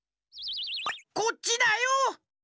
こっちだよ！